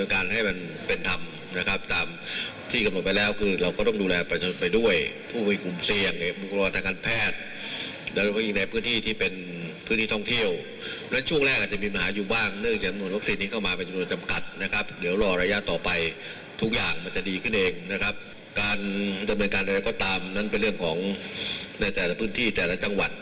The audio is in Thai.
ก็มีอยู่จังหวัดหนึ่งที่ถูกพลาดผิงไป